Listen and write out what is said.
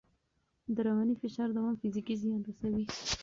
د رواني فشار دوام فزیکي زیان رسوي.